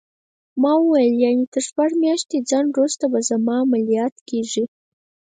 ما وویل: یعنې تر شپږ میاشتني ځنډ وروسته به زما عملیات کېږي؟